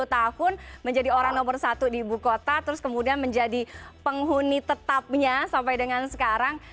sepuluh tahun menjadi orang nomor satu di ibu kota terus kemudian menjadi penghuni tetapnya sampai dengan sekarang